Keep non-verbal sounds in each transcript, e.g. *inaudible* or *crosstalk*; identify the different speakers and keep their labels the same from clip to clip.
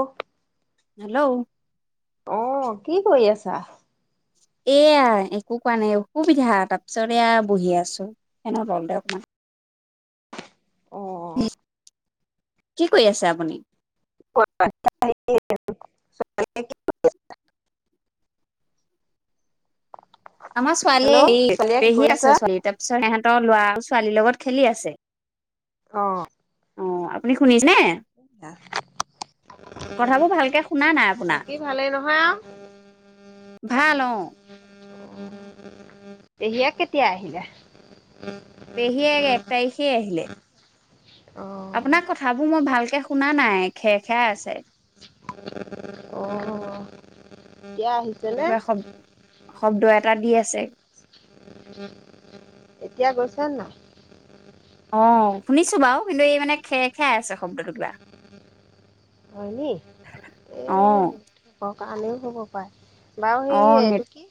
Speaker 1: অ',
Speaker 2: hello
Speaker 1: অ', কি কৰি আছা?
Speaker 2: এয়া একো কৰা নাই, অসুবিধা তাৰ পিছত এয়া বহি আছোঁ। হেনে ৰল দে অকণমান
Speaker 1: অ'
Speaker 2: কি কৰি আছে আপুনি?
Speaker 1: *unintelligible* *unintelligible* *unintelligible*
Speaker 2: আমাৰ ছোৱালী
Speaker 1: হেল্ল'
Speaker 2: হেৰি
Speaker 1: ছোৱালীয়ে কি কৰি
Speaker 2: পেহীয়েক
Speaker 1: আছা?
Speaker 2: আছে ছোৱালী, তাৰপিছত সিহঁতৰ ল'ৰা আৰু ছোৱালীৰ লগত খেলি আছে।
Speaker 1: অ',
Speaker 2: অ', আপুনি শুনিছেনে? কথাবোৰ ভালকে শুনা নাই আপোনাৰ
Speaker 1: বাকী ভালেই নহয় আৰু।
Speaker 2: ভাল অ',
Speaker 1: পেহীয়েক কেতিয়া আহিলে।
Speaker 2: পেহীয়েক এক তাৰিখে আহিলে।
Speaker 1: অ'
Speaker 2: আপোনাৰ কথাবোৰ মই ভালকে শুনা নাই, খেৰ খেৰাই আছে।
Speaker 1: অ', কিয় আহিছোঁ। কেলে?
Speaker 2: কিবা শব শব্দ এটা দি আছে
Speaker 1: এতিয়া গৈছে না
Speaker 2: অ', শুনিছোঁ বাৰু কিন্তু এই মানে খেৰ খেৰাই আছে শব্দটো কিবা।
Speaker 1: হয়নি এই
Speaker 2: অ
Speaker 1: গেছ কাৰণেও হ'ব পাৰে। বাৰু সেই
Speaker 2: অ', নেট
Speaker 1: এইটো কি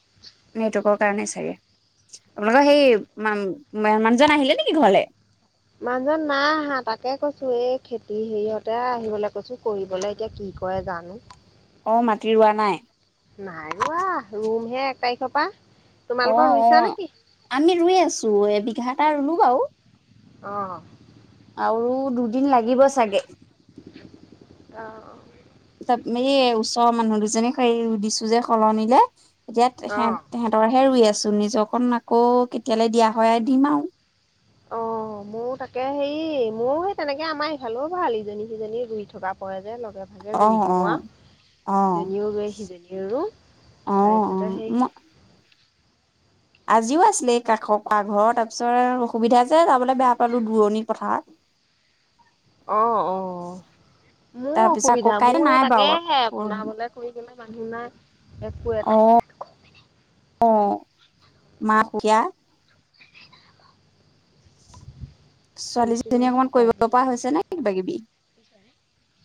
Speaker 2: -নেটৱৰ্কৰ কাৰণে চাগে। আপোনালোকৰ হেই মা-মানুহজন আহিলে নেকি ঘৰলে।
Speaker 1: মানুহজন নাই অহা তাকে কৈছোঁ, এই খেতি হেৰিয়তে আহিবলৈ কৈছোঁ, কৰিবলৈ এতিয়া কি কৰ কি কৰে জানোঁ।
Speaker 2: অ', মাটি ৰোৱা নাই।
Speaker 1: নাই ৰোৱা, ৰুম হে এক তাৰিখৰ পৰা।
Speaker 2: অ',
Speaker 1: তোমালোকৰ ৰুইছা
Speaker 2: অ',
Speaker 1: নেকি?
Speaker 2: আমি ৰুই আছোঁ এবিঘা এটা ৰুলোঁ বাৰু।
Speaker 1: অ',
Speaker 2: আৰু দুদিন লাগিব চাগে। ত
Speaker 1: অ'
Speaker 2: এই ওচৰৰ মানুহ দুজনীক হেৰি দিছোঁ যে সলনিলে, এতিয়া সে
Speaker 1: অ'
Speaker 2: সেহেঁতৰহে ৰুই আছোঁ, নিজৰকণ আকৌ কেতিয়ালৈ দিয়া হয় দিম আৰু।
Speaker 1: অ', মোৰো তাকে হেৰি, ময়ো সেই তেনেকে আমাৰ এইফালেও ভাল ইজনী- সিজনী ৰুই থকা পৰে যে লগে তাকে
Speaker 2: অ
Speaker 1: ৰুই
Speaker 2: অ
Speaker 1: দিওঁ
Speaker 2: অ।
Speaker 1: আৰু ইজনীও ৰুৱ সিজনীয়েও ৰুওঁ
Speaker 2: অ অ
Speaker 1: তাৰপিছতে সেই
Speaker 2: ম আজিও আছিলে, এই কাষৰ খুৰাঘৰৰ তাৰপিছত অসুবিধা যে যাবলৈ বেয়া পালো দূৰণি পথাৰত।
Speaker 1: অ', অ', মোৰো
Speaker 2: তাৰপিছত আকৌ
Speaker 1: অসুবিধা
Speaker 2: কাইলৈ
Speaker 1: মোৰ
Speaker 2: নাই
Speaker 1: এই
Speaker 2: বাৰু
Speaker 1: তাকেহে
Speaker 2: পৰহি
Speaker 1: বনাবলে। - কৰিবলে মানুহ নাই। একো এটা
Speaker 2: অ', অ', মা সেয়া। ছোৱালীজনীয়ে অকমান কৰিব পৰা হৈছে নে কিবা-কিবি।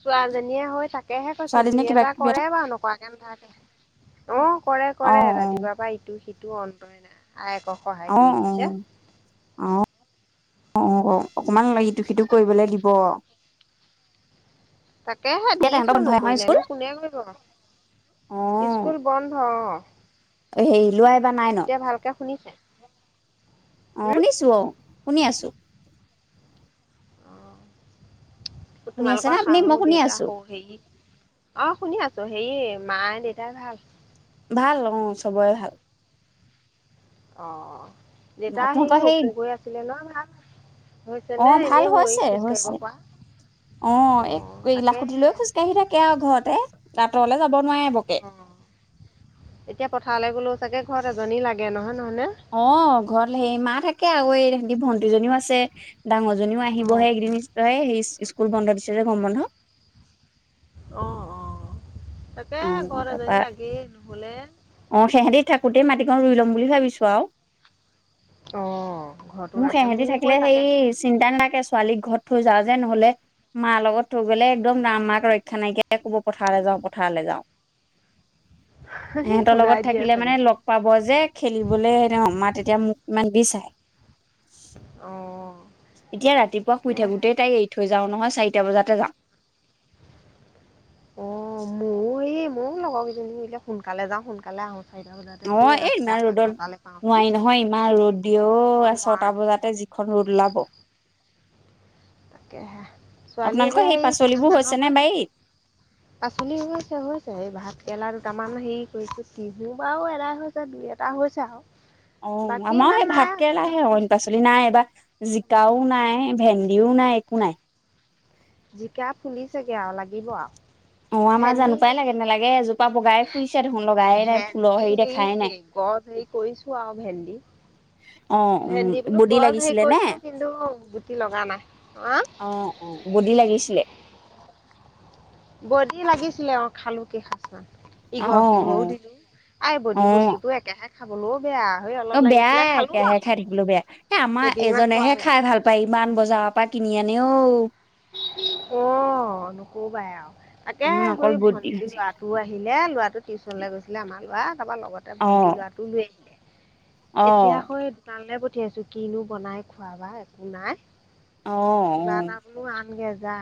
Speaker 1: ছোৱালজনীয়ে হৈ তাকেহে কৈছোঁ,
Speaker 2: ছোৱালীজনী
Speaker 1: দুই
Speaker 2: কিবা
Speaker 1: এটা
Speaker 2: কিবি
Speaker 1: কৰে বাৰু নকৰাকে নাথাকে। অ', কৰে
Speaker 2: অ
Speaker 1: কৰে, ৰাতিপুৱাৰ পৰা ইটো সিটো অন্তই নাই আইক
Speaker 2: অ', অ'। অ', অ' অকমান ইটো-সিটো কৰিব‌ দিব।
Speaker 1: *inaudible* তাকেহে
Speaker 2: এতিয়া তেহেতৰ
Speaker 1: দিছো,
Speaker 2: বন্ধই নহয় স্কুল
Speaker 1: নকৰিলেনো কোনে কৰিব,
Speaker 2: অ
Speaker 1: স্কুল বন্ধ অ'।
Speaker 2: হেৰি লোৱা এইবাৰ নাইনত
Speaker 1: এতিয়া ভালকে শুনিছে?
Speaker 2: অ'
Speaker 1: হুম,
Speaker 2: শুনিছো অ' শুনি আছো।
Speaker 1: অ'
Speaker 2: শুনি আছে
Speaker 1: তোমালোকৰ
Speaker 2: নে আপুনি
Speaker 1: শাহু
Speaker 2: মই শুনি
Speaker 1: দেউতা
Speaker 2: আছো
Speaker 1: শ হেৰি অ' শুনি আছো হেৰি মায়ে দেউতাই ভাল?
Speaker 2: ভাল অ' চবৰে ভাল।
Speaker 1: অ', অ' দেউতা
Speaker 2: আপোনালোকৰ
Speaker 1: হেৰি
Speaker 2: সেই
Speaker 1: অসুখ হৈ আছিলে নহয় ভাল হৈছেনে? হৈছে
Speaker 2: অ
Speaker 1: নে
Speaker 2: ভাল
Speaker 1: এনেই
Speaker 2: হৈছে
Speaker 1: *unintelligible* খোজ
Speaker 2: হৈছে
Speaker 1: কঢ়িব প
Speaker 2: অ' এই এইলাখুটি লৈ খোজকাাঢ়ি থাকে আৰু ঘৰতে আতৰলে যাব নোৱাৰে বৰকে।
Speaker 1: অ' এতিয়া পথাৰলৈ গ'লোও চাগে ঘৰত এজনী লাগে নহয়, নহয় নে?
Speaker 2: অ' ঘৰত হেই মা থাকে আৰু এই তহঁতি ভণ্টিজনীও আছে। ডাঙৰজনীও
Speaker 1: অঁ
Speaker 2: আহিবহে একদিন নি্চ সেই স্কুল বন্ধ দিছে যে গৰম বন্ধ।
Speaker 1: অ', অ'
Speaker 2: অ
Speaker 1: তাকেই ঘৰত এজনী
Speaker 2: তাৰপৰা
Speaker 1: লাগেই, নহলে
Speaker 2: অ' সিহঁতি থাকোতেই মাটিকণ ৰুই ল'ম বুলি ভাবিছো আৰু।
Speaker 1: অ' ঘৰতো
Speaker 2: মোৰ
Speaker 1: ৰাখে
Speaker 2: সেহেঁতি
Speaker 1: মোৰো
Speaker 2: থাকিলে
Speaker 1: হৈ
Speaker 2: সেই
Speaker 1: তাকে
Speaker 2: চিন্তা নালাগে ছোৱালীক ঘৰত থৈ যাওঁ যে, নহ'লে মাৰ লগত থৈ গ'লে একদম ৰাম মাক ৰক্ষা নাইকিয়া ক'ৰিব পথাৰলৈ যাওঁ পথাৰলৈ যাওঁ। সহঁতৰ
Speaker 1: সুৰাই
Speaker 2: লগত
Speaker 1: দিয়ে
Speaker 2: থাকিলে
Speaker 1: চাগে
Speaker 2: মানে লগ পাব যে খেলিবলৈ মানে তেতিয়া মোক ইমান নিবিচাৰে।
Speaker 1: অ'।
Speaker 2: এতিয়া ৰাতিপুৱা শুই থাকোতেই তাইক এৰি থৈ যাওঁ নহয়, চাৰিটা বজাতে যাওঁ।
Speaker 1: অ' মোৰ এই ময়ো লগৰ কেইজনী সিলে সোনকালে যাওঁ সোনকালে আহো।
Speaker 2: অ' এই ইমান ৰ'দত
Speaker 1: পাওঁহি
Speaker 2: নোৱাৰি নহয়, ইমান ৰ'দ দিয়ে
Speaker 1: ৰুব
Speaker 2: অ' ছটা
Speaker 1: নোৱাৰোঁ
Speaker 2: বজাতে। খ উৰলাব *unintelligible*
Speaker 1: তাকেহে, ছোৱালী
Speaker 2: আপোনালোকৰ
Speaker 1: এতিয়া সেই কিমান
Speaker 2: পাচলিবোৰ হৈছে
Speaker 1: ডাঙৰ
Speaker 2: নে
Speaker 1: হ'ল।
Speaker 2: বাৰীত
Speaker 1: পাচলি হৈছে হৈছে এই ভাত কেৰেলা দুটামান হেৰি কৰিছো, টিহু বাৰু এদাই হৈছে। দুই এটা হৈছে আৰু।
Speaker 2: অ'
Speaker 1: বাকী
Speaker 2: আমাৰ
Speaker 1: ইমান
Speaker 2: সেই
Speaker 1: নাই
Speaker 2: ভাত
Speaker 1: আৰু জিকা
Speaker 2: কেৰেলাহে অইন
Speaker 1: ফুলিছে
Speaker 2: পাচলি নাই এইবাৰ। জিকাও নাই ভেন্দিও নাই একো নাই।
Speaker 1: জিকা ফুলি চেগে আৰু লাগিব আৰু।
Speaker 2: অ' আমাৰ
Speaker 1: ভেন্দি
Speaker 2: জানো পাই লাগে
Speaker 1: হেৰি
Speaker 2: নালাগে, এজোপা বগাই ফুৰিছে দেখোন লগায়ে নাই ফুলৰ হেৰি দেখাই নাই।
Speaker 1: ক স *unintelligible* কৰিছোঁ আৰু ভেন্দি।
Speaker 2: অ অ
Speaker 1: ভেন্দি বোলো
Speaker 2: বডি
Speaker 1: গছ হেৰি
Speaker 2: লাগিছিলে নে
Speaker 1: কৰিছো কিন্তু গুটি লগা নাই। অ'
Speaker 2: অ', অ' বডি লাগিছিলে?
Speaker 1: বডি লাগিছিলে অ' খালো কেই সাজ মান।
Speaker 2: অ
Speaker 1: ইঘৰ
Speaker 2: অ
Speaker 1: সিঘৰো দিলো, আৰু
Speaker 2: অ
Speaker 1: বডি বস্তুটো একেৰাহে খাবলৈও বেয়া। সেই অলপ
Speaker 2: অ' বেয়া
Speaker 1: লাগিছিলে খালো
Speaker 2: একয়াহে
Speaker 1: আৰু
Speaker 2: খাই থাকিবলে বেয়া, এ আমাৰ
Speaker 1: কেইদিনমান
Speaker 2: এজনেহে
Speaker 1: তৰালে
Speaker 2: খাই ভাল পায় ইমান বজাৰ পা কিনি আনে ঔ।
Speaker 1: অ' নকবাই আৰু, তাকে
Speaker 2: উম, অকল
Speaker 1: সেই
Speaker 2: বুট দি
Speaker 1: ভন্টি ল'ৰাতো টো আহিলে ল'ৰাটো টিউশচনলৈ গৈছিলে আমাৰ ল'ৰা তাৰপৰা লগতে ভণ্টিৰ
Speaker 2: অ',
Speaker 1: ল'ৰাটোও লৈ আহিলে এতিয়া
Speaker 2: অ',
Speaker 1: সৈ দোকানলৈ পঠিয়াইছো, কিনো বনাই খোৱাবা একো নাই।
Speaker 2: অ', অ',
Speaker 1: কিবা
Speaker 2: অ',
Speaker 1: এটাবোলো আনগে যা।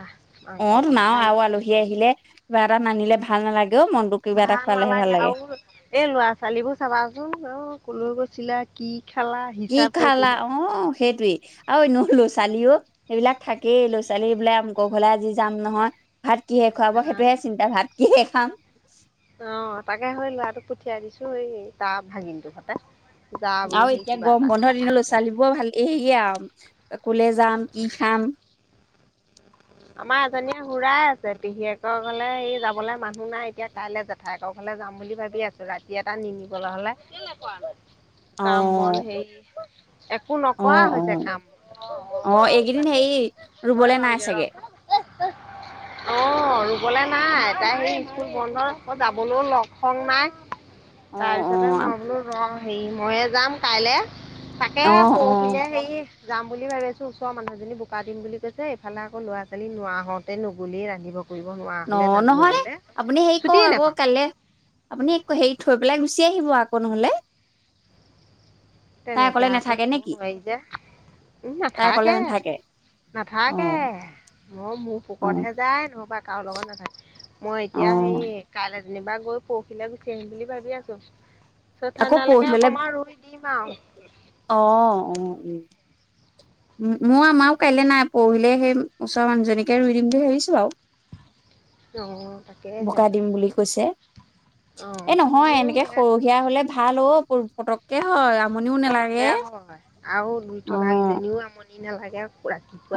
Speaker 1: মাংস
Speaker 2: অ' তো নাই
Speaker 1: অকণকে
Speaker 2: আৰু
Speaker 1: আনিবলৈ
Speaker 2: আলহী
Speaker 1: পঠিয়াইছো
Speaker 2: আহিলে কিবা এটা নানিলে ভাল নালাগেও মনটো। কিবা এটা
Speaker 1: ভাল
Speaker 2: খোৱালেহে ভাল
Speaker 1: নালাগে
Speaker 2: লাগে
Speaker 1: আৰু এ ল'ৰা ছোৱালী বোৰ চাবাচোন অ' কলৈ গৈ চিলে কি খালা
Speaker 2: কি খালা অ' সেইটোৱেই। আৰু এনেও লো ছোৱালীও, সেইবিলাক থাকেই। লো ছোৱালী বোলে আমুকৰ ঘৰলে আজি যাম নহয়। ভাত কিহে খুৱাব, সেইটোহে চিন্তা। ভাত কিহে খাম!
Speaker 1: অ', তাকে হয়, ল'ৰাটোক পঠিয়াই দিছো, এই তাৰ ভাগিনটোৰ সতে। যা বোলো
Speaker 2: আৰু
Speaker 1: সেই
Speaker 2: এতিয়া
Speaker 1: কিবা
Speaker 2: গম
Speaker 1: এটা খা
Speaker 2: বন্ধৰ দিনত
Speaker 1: আনগে
Speaker 2: লো-ছোৱালীবোৰ ভাল কে-হেয়ে আৰু ক'লে যাম, কি খাম?
Speaker 1: আমাৰ এজনীয়ে হুৰাই আছে, পেহীয়েকৰ ঘৰলে এই যাবলে মানুহ নাই, এতিয়া কাইলে যাম। *unintelligible* ঘৰলে যাম বুলি ভাবি আছোঁ, ৰাতি এটা নিনিবলৈ হ'লে! *unintelligible* কাম বন
Speaker 2: অ',
Speaker 1: হেৰি, একো নকৰা
Speaker 2: অ',
Speaker 1: হৈছে
Speaker 2: অ', অ',
Speaker 1: কাম।
Speaker 2: *unintelligible*
Speaker 1: মইয়ে পামগে ৰ'।
Speaker 2: চাগে
Speaker 1: *unintelligible* অ', ৰুবলৈ নাই, তাই সেই স্কুল বন্ধ, আকৌ যাবলেও লক্ষণ নাই।
Speaker 2: অ',
Speaker 1: তাৰপিছতে মই
Speaker 2: অ',
Speaker 1: বোলো ৰ', হেৰি মইয়ে যাম কাইলে, পা কে
Speaker 2: অ', অ',
Speaker 1: পৰহিলে হেৰি যাম বুলি ভাবি আছোঁ, ওচৰৰ মানুহজনী বোকা দিম বুলি কৈছে এইফালে আকৌ ল'ৰা ছোৱালী নোৱা হওঁতেই নগ'লেই ৰান্ধিব। কৰিব নোৱাৰ
Speaker 2: ন, নহ'লে আপুনি হেৰি কৰক আকৌ
Speaker 1: নাপাওঁ
Speaker 2: কাইলে আপুনি ক-হেৰি, থৈ পেলাই গুচি আহিব আকৌ নহ'লে! তাই
Speaker 1: তেনেকে
Speaker 2: অকলে
Speaker 1: আকৌ
Speaker 2: নাথাকে নে
Speaker 1: যাবও
Speaker 2: কি
Speaker 1: নোৱাৰি যে, এই
Speaker 2: তাই অকলে
Speaker 1: নাথাকে।
Speaker 2: অ
Speaker 1: নাথাকে। অ', মোৰ
Speaker 2: অ
Speaker 1: পোকৰতহে যায়, নহ'বা কাৰো লগত নাথাকে, মই
Speaker 2: অ
Speaker 1: এতিয়া হেই কাইলে যেনিবা গৈ পৰহিলে গুচি আহিম বুলি ভাবি আছোঁ,
Speaker 2: আকৌ
Speaker 1: ছঠাদিনালৈকে
Speaker 2: পৰহিললে
Speaker 1: অকমান ৰুই দিম আউ।
Speaker 2: অ', অ', উম। উম উম, মোৰ-আমাৰো কাইলে নাই, পৰহিলে সেই ওচৰৰ মানুহজনীকে ৰুই দিম বুলি ভাবিছোঁ আৰু।
Speaker 1: অ', তাকে।
Speaker 2: বোকা দিম বুলি কৈছে।
Speaker 1: অ
Speaker 2: এ নহয়,
Speaker 1: মোৰ
Speaker 2: এনেকে
Speaker 1: সেয়া
Speaker 2: সৰহীয়া হ'লে ভাল অ', প-পতককে হয়। আমনিও
Speaker 1: পতককে
Speaker 2: নালাগে
Speaker 1: হয় আৰু ৰুই
Speaker 2: অ
Speaker 1: থকা কেইজনীও আমনি নালাগে।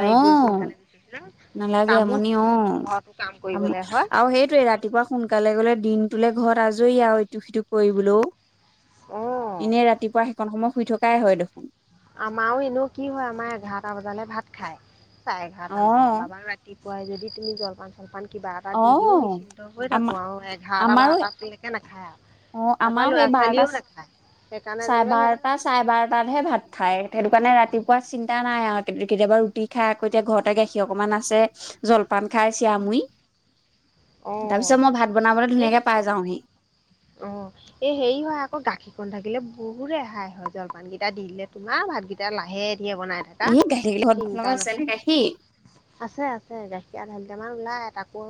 Speaker 2: অ
Speaker 1: গৈ সোনকালে ৰুই দিলে,
Speaker 2: নালাগে
Speaker 1: কামো
Speaker 2: আমনি
Speaker 1: তোকে
Speaker 2: অ
Speaker 1: ঘৰতো কাম
Speaker 2: আম
Speaker 1: কৰিবলে হয়।
Speaker 2: আৰু সেইটোৱে, ৰাতিপুৱা সোনকালে গ'লে দিনটোলে ঘৰত আজৰি আৰু ইটো সিটো কৰিবলৈও।
Speaker 1: অ
Speaker 2: এনে ৰাতিপুৱা সেইকণ সময় শুই থকাই হয় দেখোন।
Speaker 1: আমাৰো এনেও কি হয়, আমাৰ এঘাৰটা বজালে ভাত খায়। চাৰে এঘাৰটা মানলে
Speaker 2: অ',
Speaker 1: বাবা *unintelligible* ৰাতিপুৱাই যদি তুমি জলপান চলপান দি কিবা এটা দি দিওঁ,
Speaker 2: অ',
Speaker 1: নিশ্চিন্ত হৈ
Speaker 2: আমাৰ
Speaker 1: থাকোঁ আৰু এঘাৰটা
Speaker 2: আমাৰো
Speaker 1: বাৰটা লেকে নাখায় আৰু।
Speaker 2: অ',
Speaker 1: তাৰপৰা
Speaker 2: আমাৰো সেই
Speaker 1: ল'ৰা
Speaker 2: বাৰটা
Speaker 1: ছোৱালীয়েও নাখায়, সেইকাৰণে যেনিবা সিহঁতক ৰাতিপুৱাই দি দিওঁ।
Speaker 2: এটাতহে ভাত খায়, সেইটো কাৰণে ৰাতিপুৱা চিন্তা নাই। নাই আৰু তে-কেতিয়াবা ৰুটি খাই আকৌ এতিয়া ঘৰতে গাখীৰ অকণমান আছে, জলপান খাই, চিয়া মুুৰি। তাৰ পিছত
Speaker 1: অ
Speaker 2: মই ভাত বনাবলৈ
Speaker 1: এ
Speaker 2: ধুনীয়াকে পাই যাওঁহি।
Speaker 1: অ'। এ হেৰি হয় আকৌ, গাখীৰকণ থাকিলে বহুত ৰেহাই হয়। জলপানকেইটা দি দিলে তোমাৰ, ভাতকেইটা তেতিয়া লাহে ধিয়ে বনাই থাকা,
Speaker 2: এই গাখীৰ ঘৰত
Speaker 1: চিন্তা
Speaker 2: আপোনালোকৰ আছে নে
Speaker 1: নাথাকে।
Speaker 2: গাখীৰ?
Speaker 1: আছে আছে, গাখীৰ আধালিটাৰমান ওলাই, তাকো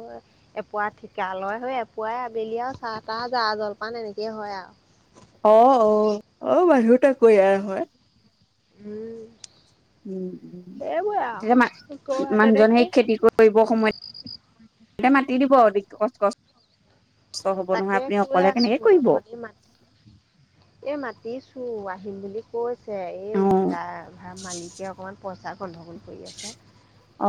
Speaker 1: এপুৱা ঠিকা লয়, সেই এপুৱাই আবেলি আৰু চাহ তাহ, জা জলপান এনেকে হয় আৰু।
Speaker 2: অ', অও, অ' মানুহ তাকৰীয়া নহয়।
Speaker 1: উম।
Speaker 2: উম।
Speaker 1: সেইবোৰে আৰু কৌৱা
Speaker 2: এ-মা-মানুহজনে
Speaker 1: তেনেকে
Speaker 2: সেই খেতি কৰি কৰিব সময়ত তে মাতি দিব, *unintelligible* কষ্ট হ'ব নহয়,
Speaker 1: তাকে
Speaker 2: আপুনি অকলে কেনেকে কৰিব?
Speaker 1: এ, মাতিছোঁ, আহিম বুলি কৈছে,
Speaker 2: অ
Speaker 1: এই দা-ধা-মালিকে অকমাণ পইছা গণ্ডগোল কৰি আছে।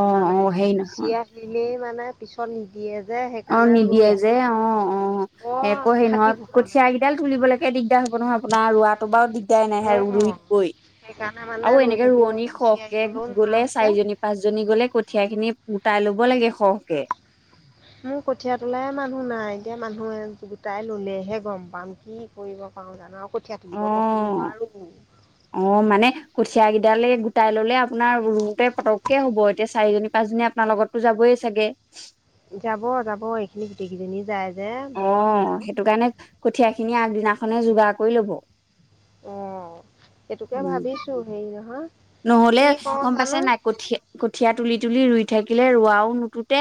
Speaker 2: অ অ
Speaker 1: এতিয়া
Speaker 2: হেৰি
Speaker 1: গুচি
Speaker 2: নহয়
Speaker 1: আহিলেই মানে পিছত নিদিয়ে যে, সেইক
Speaker 2: অ', নিদিয়ে যে অ' অ'
Speaker 1: বৰ
Speaker 2: আকৌ হেই
Speaker 1: ফাঁকি
Speaker 2: নহয়
Speaker 1: ফুকা
Speaker 2: কঠিয়া
Speaker 1: মানে
Speaker 2: কেইদাল কঠিয়া কেইদাল তুলিবলৈকে দিগদাৰ হ'ব নহয় আপোনাৰ ৰোৱাটো বাৰু দিগ চিন্তা নাই নহয়
Speaker 1: অঁ
Speaker 2: ৰুই দিবই
Speaker 1: সেইকাৰণে মানে
Speaker 2: আৰু
Speaker 1: ৰৈ
Speaker 2: এনেকে
Speaker 1: থাকিব
Speaker 2: ৰোৱনী
Speaker 1: গুচি
Speaker 2: সৰহকে
Speaker 1: আহিবলৈও নোৱাৰা
Speaker 2: গ'লে
Speaker 1: হৈছে
Speaker 2: চাৰিজনী পাচঁজনী গলে কঠিয়া খিনি গোটাই ল'ব লাগে সৰহকে।
Speaker 1: *inaudible* মোৰ কঠিয়া তোলাই মানুহ নাই, এতিয়া মানুহ গোটাই ললেহে গম পাম কি কৰিব পাৰও জানো আৰু কঠীয়া
Speaker 2: অ
Speaker 1: তুলিব ব'কে নোৱাৰো।
Speaker 2: অ', মানে কঠিয় কেইডালে গোটাই ললে আপোনাৰ ৰুউতে পটককে হ'ব এতিয়া চাৰিজনী পাঁচজনী আপোনাৰ লগত যাবই চাগে।
Speaker 1: যাব যাব, এইখিনি গোটেইকেইজনী যায়। যে বৰ হেৰি
Speaker 2: অ', সেইটো কাৰণে কঠীয়াখিনি আগদিনাখনে যোগাৰ কৰি ল'ব।
Speaker 1: অ', সেইটোকে
Speaker 2: উম
Speaker 1: ভাবিছো হেৰি নহয়।
Speaker 2: নহ'লে
Speaker 1: কি কওঁ
Speaker 2: গম পাইছে
Speaker 1: জানো
Speaker 2: নাই কঠীয়া কঠীয়া তুলি তুলি ৰুই থাকিলে ৰোৱাও তে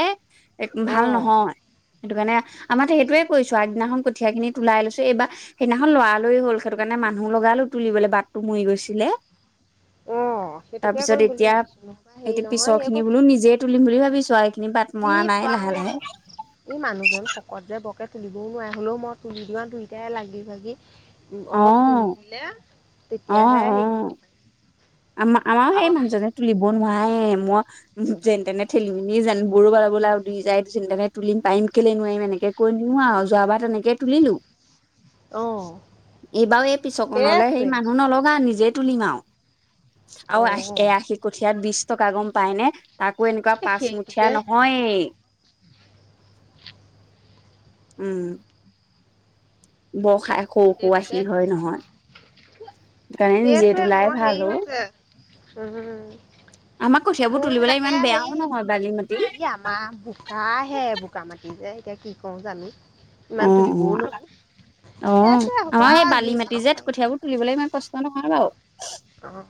Speaker 2: ভাল
Speaker 1: অঁ
Speaker 2: নহয় সেইটো কাৰণে আমাৰ সেইটোৱে কৰিছো আগদিনাখন কঠীয়াখিনি তোলাই লৈছো এইবাৰ সেইদিনাখন লৰালৰি হ'ল সেইটো কাৰণে মানুহ লগালো তুলিবলৈ বাটটো মৰি গৈছিলে।
Speaker 1: অ',
Speaker 2: তাৰ
Speaker 1: সেইটোকে
Speaker 2: পিছত
Speaker 1: কৰিম বুলি
Speaker 2: এতিয়া
Speaker 1: ভাবিছো নবা হেৰি
Speaker 2: এতিয়া পিছৰ
Speaker 1: নহয়
Speaker 2: খিনি
Speaker 1: এইবোৰ
Speaker 2: বোলো নিজে তুলিম বুলি ভাবিছো আৰু এইখিনি বাট
Speaker 1: যি
Speaker 2: মৰা নাই লাহে
Speaker 1: পাওঁ
Speaker 2: লাহে।
Speaker 1: আৰু এই মানুহজন শকত যে বৰকে তুলিবও নোৱাৰে হ'লেও মই তুলি লওঁ দুইোটাই লাগি ভাগি উম,
Speaker 2: অ
Speaker 1: অলপ তুলি দিলে
Speaker 2: অ
Speaker 1: তেতিয়াহে
Speaker 2: অ
Speaker 1: শিকিব পাৰিম।
Speaker 2: আমাৰ আমাৰো
Speaker 1: আৰু
Speaker 2: সেই মানহজনে তুলিব নোৱাৰে মই যেন তেনে ঠেলিমেলি যেন বৰুোল ল আৰু দুই যাই যে তেনে তুলিম পাৰিম খেলে নোৱাৰিম এনেকে কৈ নিওঁ আৰু যোৱাবাৰ তেনেকে তুলিলো।
Speaker 1: অহ।
Speaker 2: এইবাৰ এই পিছকনলে হেৰি মানুহ নলগা নিজে তুলিম আৰু। আৰু আশী এ
Speaker 1: অ',
Speaker 2: আশী কঠিয়াত বিশ টকা গম পায় নে? তাকো এনেকুৱা
Speaker 1: এ
Speaker 2: পাচমুঠীয়া
Speaker 1: সেইটোকে
Speaker 2: নহয়েই। উম। বৰখা সৰু সৰু
Speaker 1: সেইটোকে
Speaker 2: আসি হয়
Speaker 1: কৈছোঁ
Speaker 2: নহয়। সেইকাৰণে নিজে
Speaker 1: সেইটোৱে
Speaker 2: তোলাই
Speaker 1: মোৰ
Speaker 2: ভাল
Speaker 1: হেৰি
Speaker 2: অ
Speaker 1: হৈছে।
Speaker 2: আমাৰ
Speaker 1: উমম
Speaker 2: কঠিয়াবোৰ
Speaker 1: মোৰ
Speaker 2: তুলিবলৈ ইমান
Speaker 1: তাকে হে
Speaker 2: বেয়াও নহয় বালি মাটি
Speaker 1: ই আমাৰ বোকাহে বোকা মাটি যে এতিয়া কি কৰো জানো
Speaker 2: অ
Speaker 1: ইমান
Speaker 2: অ
Speaker 1: তুলিবও নোৱাৰো।
Speaker 2: অ',
Speaker 1: সেইটোৱে হ'ব
Speaker 2: আমাৰ সেই
Speaker 1: আৰু যি
Speaker 2: বালি মাটি
Speaker 1: পাৰো
Speaker 2: যে
Speaker 1: পাৰিম আৰু
Speaker 2: কঠিয়াবোৰ তুলিবলৈ ইমান কষ্ট নহয় বাৰু।
Speaker 1: অ',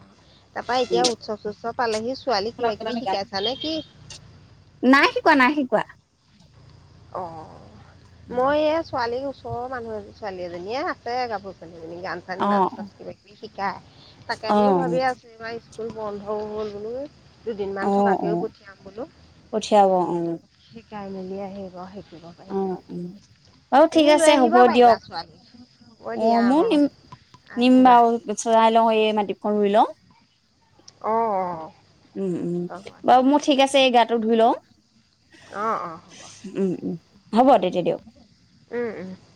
Speaker 1: তাৰাপা এতিয়া উৎসৱ চোৎসৱ পালেহি ছোৱালী কিবা কিবি শিকাইছা নে কি?
Speaker 2: নাই শিকোৱা নাই শিকোৱা।
Speaker 1: অ', মই এই ছোৱালী আকৌ মানুহজন ছোৱালীজনীয়ে আাছে কাপোৰ পানধিজনী গান চানি
Speaker 2: অ
Speaker 1: নাচ নাচ কিবা শিকাই তাকে
Speaker 2: অ
Speaker 1: বোলো ভাবি আছো এইবাৰ স্কুল বন্ধও হ'ল বোলো। দুদিনমান
Speaker 2: অ অ
Speaker 1: থকাকেও পঠিয়াম বোলো।
Speaker 2: পঠিয়াব অ
Speaker 1: শিকাই মেলি আহিব শিকিব। পাৰিম
Speaker 2: অ', বাৰু ঠিক
Speaker 1: তুমি লৈ
Speaker 2: আছে
Speaker 1: আহিব
Speaker 2: হ'ব
Speaker 1: পাৰিবা
Speaker 2: দিয়ক।
Speaker 1: ছোৱালী হ'ব
Speaker 2: অ',
Speaker 1: দিয়া
Speaker 2: মোৰ নিম নিম
Speaker 1: আহিবা
Speaker 2: বাৰু চাই লওঁ এই মাটিখিনি ৰুই লওঁ।
Speaker 1: অ', অ'।
Speaker 2: উম, উম
Speaker 1: হ'ব
Speaker 2: বাৰু মোৰ ঠিক আছে এই গাটো ধুই লওঁ।
Speaker 1: অ',
Speaker 2: উম উম
Speaker 1: অ',
Speaker 2: তেতিয়া
Speaker 1: হ'ব
Speaker 2: দিয়ক
Speaker 1: উম, উম।